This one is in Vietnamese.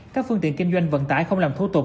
các phương tiện kinh doanh vận tải không làm thủ tục